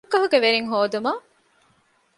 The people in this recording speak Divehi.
ރުއްގަހުގެ ވެރިންހޯދުމަށް